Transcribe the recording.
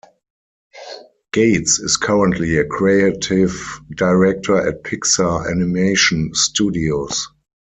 Gates is currently a Creative Director at Pixar Animation Studios.